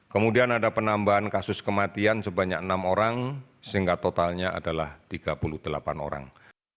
kemudian ada penambahan kasus kematian sebanyak enam orang sehingga totalnya adalah tiga puluh delapan orang